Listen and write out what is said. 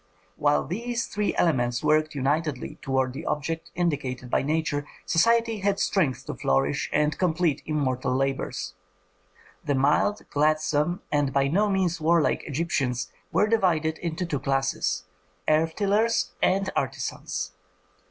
While these three elements worked unitedly toward the objects indicated by nature, society had strength to flourish and complete immortal labors. The mild, gladsome, and by no means warlike Egyptians were divided into two classes, earth tillers and artisans.